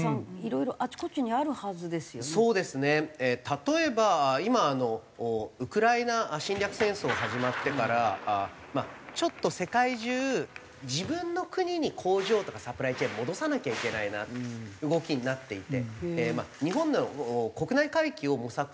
例えば今ウクライナ侵略戦争始まってからちょっと世界中自分の国に工場とかサプライチェーンを戻さなきゃいけないなという動きになっていて日本でも。